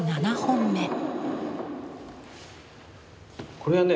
これはね